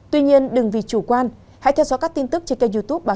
tuy nhiên đừng vì chủ quan hãy theo dõi các tin tức trên kênh youtube